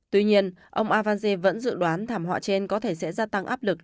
tuy nhiên ông avange vẫn dự đoán thảm họa trên có thể sẽ gia tăng áp lực